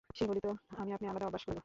সে বলিত, আমি আপনি আলাদা অভ্যাস করিব।